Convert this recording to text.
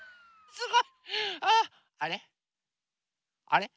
あれ？